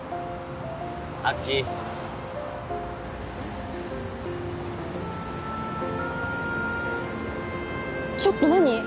アッキーちょっと何！？